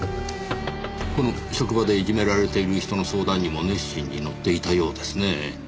この職場でいじめられている人の相談にも熱心に乗っていたようですねぇ。